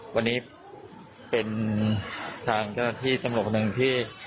วันนี้เป็นทางเจ้าที่ตำรวจคนหนึ่งที่